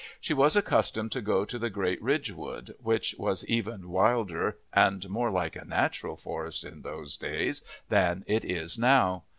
She was accustomed to go to the Great Ridge Wood, which was even wilder and more like a natural forest in those days than it is now.